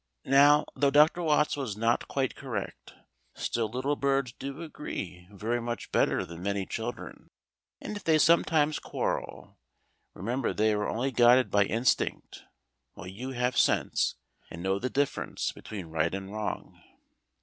Now, though Dr. Watts was not quite correct, still little birds do agree very much better than many children; and if they sometimes quarrel, remember they are only guided by instinct, while you have sense, and know the difference between right and wrong.